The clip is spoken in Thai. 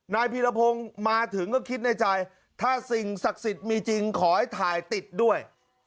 พีรพงศ์มาถึงก็คิดในใจถ้าสิ่งศักดิ์สิทธิ์มีจริงขอให้ถ่ายติดด้วย